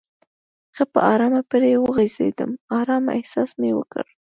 ښه په آرامه پرې وغځېدم، آرامه احساس مې وکړ.